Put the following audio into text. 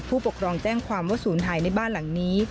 ผู้ปกครองแจ้งความว่าศูนย์หายในบ้านหลังนี้